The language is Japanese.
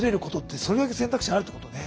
それだけ選択肢あるってことね。